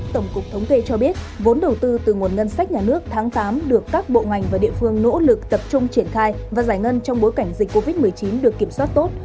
tổng cục thống kê cho biết vốn đầu tư từ nguồn ngân sách nhà nước tháng tám được các bộ ngành và địa phương nỗ lực tập trung triển khai và giải ngân trong bối cảnh dịch covid một mươi chín được kiểm soát tốt